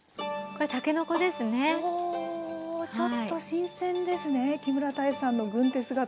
ちょっと新鮮ですね木村多江さんの軍手姿。